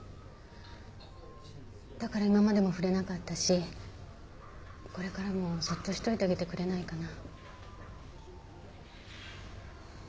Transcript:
だから今までも触れなかったしこれからもそっとしといてあげてくれないかな。